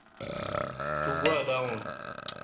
توگوا داؤؤن۔